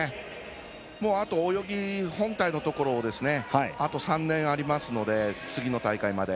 あと泳ぎ、本体のところをあと３年あるので、次の大会まで。